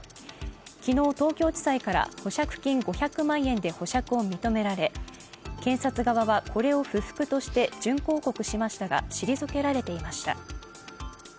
昨日、東京地裁から保釈金５００万円で保釈を認められ検察側はこれを不服として準抗告しましたが退けられていました。